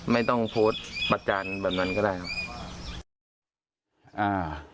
ไม่ต้องโพสต์ประจานแบบนั้นก็ได้ครับอ่า